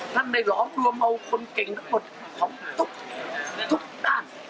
ท่านได้หลอมรวมเอาคนเก่งทั้งหมดของทุกด้าน